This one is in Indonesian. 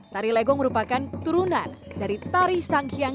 tari legong merupakan turunan dari tari sanghyang